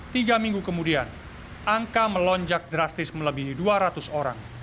tiga minggu kemudian angka melonjak drastis melebihi dua ratus orang